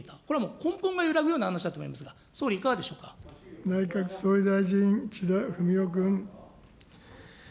これはもう根本が揺らぐような話だと思いますが、総理いかがでし内閣総理大臣、岸田文雄君。